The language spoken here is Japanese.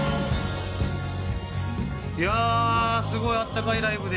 すごいあったかいライブ。